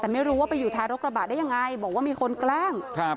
แต่ไม่รู้ว่าไปอยู่ท้ายรถกระบะได้ยังไงบอกว่ามีคนแกล้งครับ